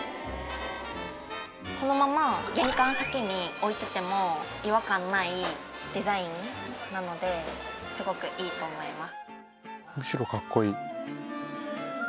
このまま玄関先に置いてても違和感ないデザインなのですごくいいと思います。